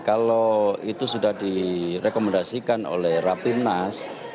kalau itu sudah direkomendasikan oleh rabi munas